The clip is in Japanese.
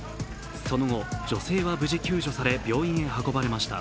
その後、女性は無事救助され病院へ運ばれました。